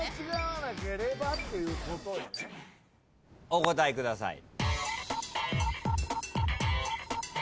お答えください。